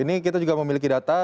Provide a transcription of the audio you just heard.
ini kita juga memiliki data